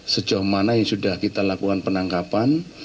sejauh mana yang sudah kita lakukan penangkapan